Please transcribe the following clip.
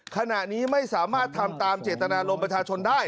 ขณะนี้ไม่สามารถทำตามเจตนารมณ์ประชาชนได้